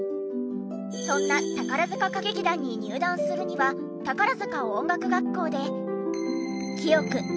そんな宝塚歌劇団に入団するには宝塚音楽学校で。